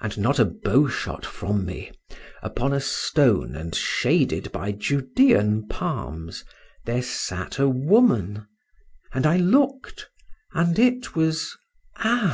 And not a bow shot from me, upon a stone and shaded by Judean palms, there sat a woman, and I looked, and it was—Ann!